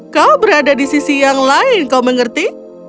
kau berada di sisi yang lain kau mengerti